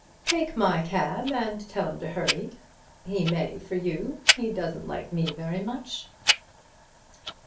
"Take my cab and tell him to hurry. He may for you; he doesn't like me very much.